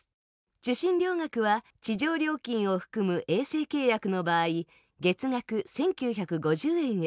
受信料額は地上料金を含む衛星契約の場合月額１９５０円へ。